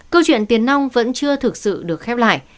câu chuyện tiền nông vẫn chưa thực sự được khép lại